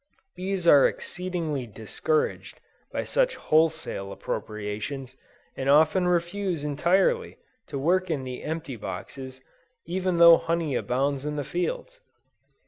Bees are exceedingly discouraged by such wholesale appropriations, and often refuse entirely, to work in the empty boxes, even although honey abounds in the fields.